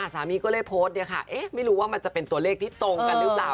สามีก็เลยโพสต์เนี่ยค่ะเอ๊ะไม่รู้ว่ามันจะเป็นตัวเลขที่ตรงกันหรือเปล่า